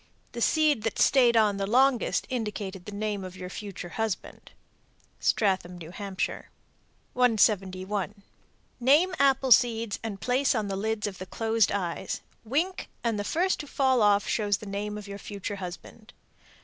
The seed that stayed on the longest indicated the name of your future husband." Stratham, N.H. 171. Name apple seeds and place on the lids of the closed eyes. Wink and the first to fall off shows the name of your future husband.